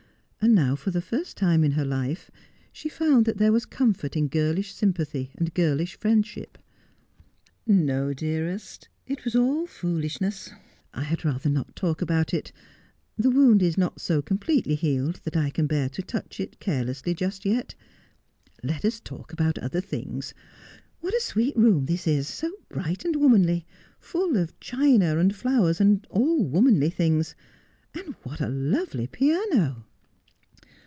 And now, for the first time in her life, she found that there was comfort in girlish sympathy and girlish friendship. ' No, dearest. It was all foolishness. I had rather not talk about it. The wound is not so completely healed that I can bear to touch it carelessly just yet. Let us talk about other things. What a sweet room this is — so bright and womanly — full of china and flowers, and all womanly things ! And what a lovely piano